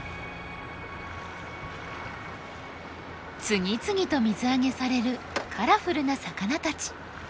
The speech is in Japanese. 次々と水揚げされるカラフルな魚たち。